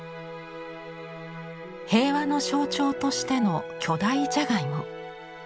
平和の象徴としての巨大じゃがいも。